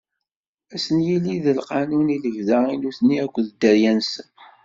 Ad sen-yili d lqanun i lebda i nutni akked dderya-nsen.